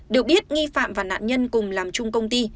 được biết nghi phạm và nạn nhân cùng làm chung công ty